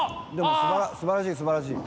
すばらしいすばらしい！